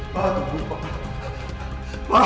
pak tunggu pak